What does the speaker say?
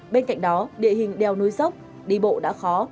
bên cạnh đó địa hình đèo núi dốc đi bộ đã khó